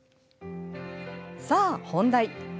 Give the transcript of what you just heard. さあ本題。